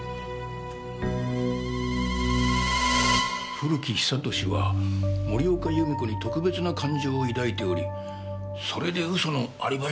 古木久俊は森岡弓子に特別な感情を抱いておりそれで嘘のアリバイ証言をした。